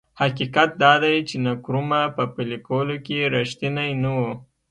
حقیقت دا دی چې نکرومه په پلي کولو کې رښتینی نه و.